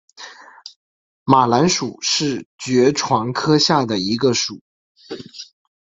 马蓝属是爵床科下的一个属。